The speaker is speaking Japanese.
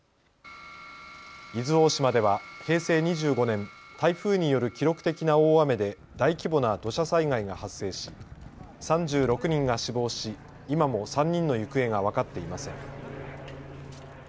伊豆大島では平成２５年、台風による記録的な大雨で大規模な土砂災害が発生し３６人が死亡し今も３人の行方が分かっていません。